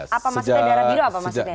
apa maksudnya darah biru